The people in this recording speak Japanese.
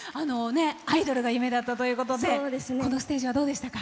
アイドルが夢だったということでこのステージはどうでしたか？